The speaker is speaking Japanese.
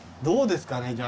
どうですかね？